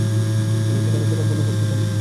তিনি সেখানে সদলবলে উপস্থিত হন।